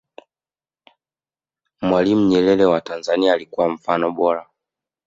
mwalimu nyerere wa tanzania alikuwa mfano bora